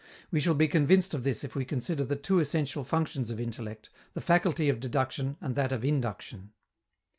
We shall be convinced of this if we consider the two essential functions of intellect, the faculty of deduction and that of induction.